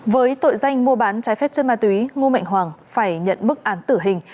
với tội danh mua bán trái phép chất ma túy ngu mệnh hoàng phải nhận mức án tử hình